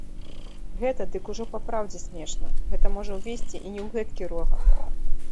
Гэта дык ужо папраўдзе смешна, гэта можа ўвесці і не ў гэткі рогат.